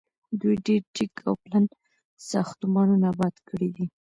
دوی ډیر جګ او پلن ساختمانونه اباد کړي دي.